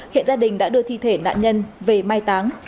hiện gia đình đã đưa thi thể nạn nhân về mai táng